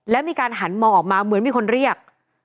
แล้วมีการหันมองออกมาเหมือนมีคนเรียก